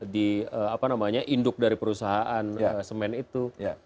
di apa namanya induk dari perusahaan semen itu